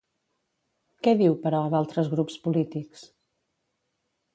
Què diu, però, d'altres grups polítics?